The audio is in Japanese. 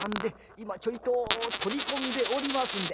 今ちょいと取り込んでおりますんで」。